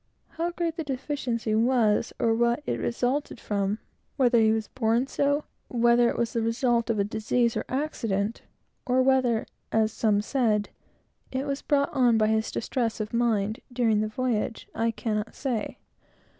How great the deficiency was, or what it resulted from; whether he was born so; whether it was the result of disease or accident; or whether, as some said, it was brought on by his distress of mind, during the voyage, I cannot say.